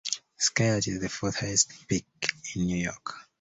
Skylight is the fourth highest peak in New York.